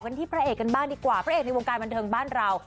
ที่พระเอกกันบ้างดีกว่าพระเอกในวงการบันเทิงบ้านเรา